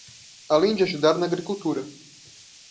Além de ajudar na agricultura